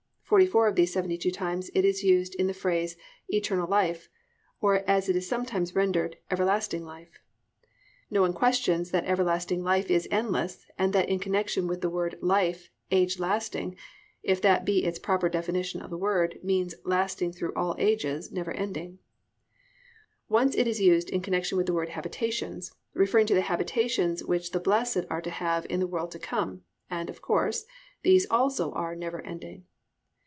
Forty four of these 72 times it is used in the phrase "eternal life," or as it is sometimes rendered, "everlasting life." No one questions that everlasting life is endless and that in connection with the word "life" "age lasting" (if that be its proper derivation of the word) means lasting through all ages, never ending. Once it is used in connection with the word "habitations," referring to the habitations which the blessed are to have in the world to come, and, of course, these also are never ending.